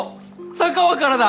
佐川からだ！